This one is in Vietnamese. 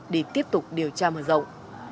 để tiếp tục điều tra mở rộng